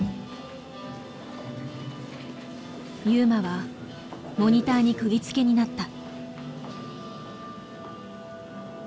優真はモニターにくぎづけになった。